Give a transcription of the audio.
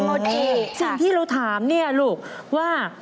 ซึ่งที่เราถามนี่ลูกว่า